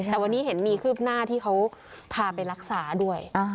แต่วันนี้เห็นมีคืบหน้าที่เขาพาไปรักษาด้วย